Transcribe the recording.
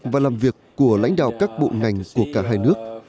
và làm việc của lãnh đạo các bộ ngành của cả hai nước